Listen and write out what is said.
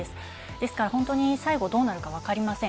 ですから、本当に最後どうなるか分かりません。